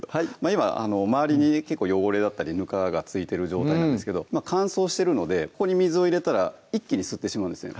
今周りに結構汚れだったりぬかが付いてる状態なんですけど乾燥してるのでここに水を入れたら一気に吸ってしまうんですね